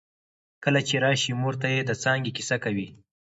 کله چې راشې مور ته يې د څانګې کیسه کوي